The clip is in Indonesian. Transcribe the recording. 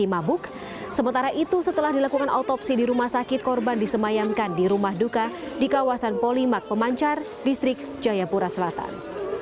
di mabuk sementara itu setelah dilakukan autopsi di rumah sakit korban disemayamkan di rumah duka di kawasan polimak pemancar distrik jayapura selatan